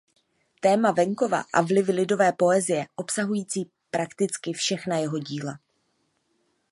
Téma venkova a vlivy lidové poezie obsahují prakticky všechna jeho díla.